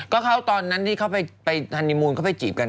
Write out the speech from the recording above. ก็เขาตอนนั้นที่เขาไปฮันนิมูลเขาไปจีบกัน